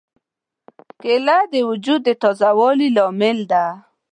کېله د وجود د تازه والي لامل ده.